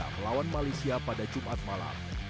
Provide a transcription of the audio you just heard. melawan malaysia pada jumat malam